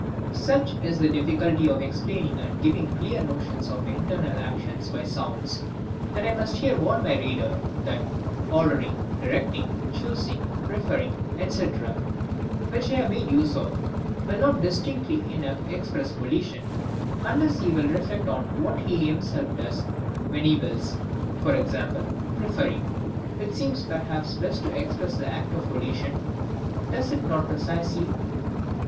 Such is the difficulty of explaining and giving clear notions of internal actions by sounds, that I must here warn my reader, that ORDERING, DIRECTING, CHOOSING, PREFERRING, &c. which I have made use of, will not distinctly enough express volition, unless he will reflect on what he himself does when he wills. For example, preferring, which seems perhaps best to express the act of volition, does it not precisely.